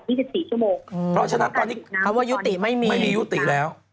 สิบสี่ชั่วโมงอืมเพราะฉะนั้นตอนนี้คำว่ายุติไม่มีไม่มียุติแล้ว